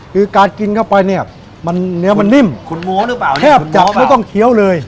คือการกินเข้าไปเนี่ยมันเนื้อมันนิ่มคุณมั้วหรือเปล่าแทบจะไม่ต้องเคี้ยวเลย